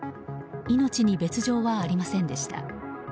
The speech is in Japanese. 命に別条はありませんでした。